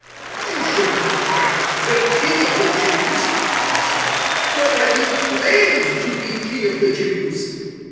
"You should not write `The King of the Jews,'" they said, "but that he claimed to be King of the Jews."